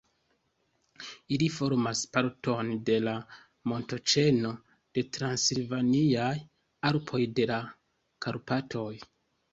Ili formas parton de la montoĉeno de Transilvaniaj Alpoj de la Karpatoj.